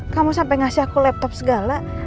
kamu sampai ngasih aku laptop segala